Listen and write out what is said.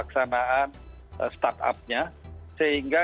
kita ingin menggunakan perusahaan yang berbeda